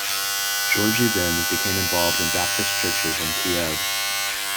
Georgi Vins became involved in Baptist churches in Kiev.